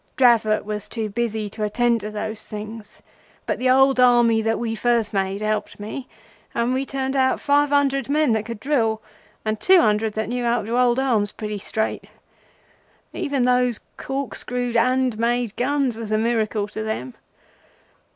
Dravot was too busy to attend to those things, but the old Army that we first made helped me, and we turned out five hundred men that could drill, and two hundred that knew how to hold arms pretty straight. Even those cork screwed, hand made guns was a miracle to them.